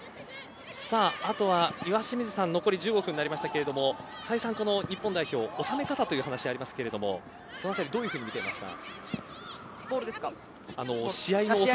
あとは岩清水さん残り１５分になりましたが再三、日本代表収め方という話ありましたがそのあたりどういうふうに見ていますか。